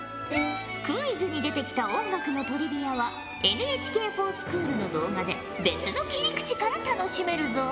クイズに出てきた音楽のトリビアはＮＨＫｆｏｒＳｃｈｏｏｌの動画で別の切り口から楽しめるぞ。